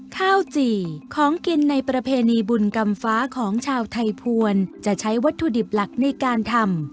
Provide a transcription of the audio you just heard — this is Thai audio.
ข้าวจี่ของกินในประเพณีบุญกรรมฟ้าของชาวไทยภวรจะใช้วัตถุดิบหลักในการทำ